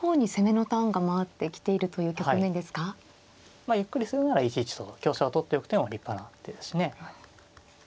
まあゆっくりするなら１一とと香車を取っておく手も立派な手ですしね。